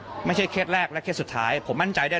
ขออนุญาตไปงานฉลองแชมป์ลูกหน้าสัปดาห์นึงพ่อบอกว่ายังแซวเลยว่า